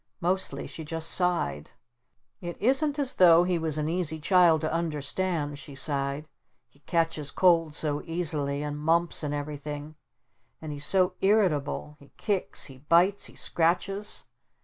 Mostly she just sighed. "It isn't as though he was an easy child to understand," she sighed. "He catches cold so easily, and mumps and everything. And he's so irritable. He kicks, he bites, he scratches!"